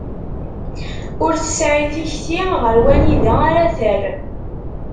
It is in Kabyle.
Ur tesɛi tikti ɣer wanida ara terr.